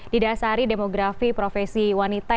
didasari demografi profesi wanita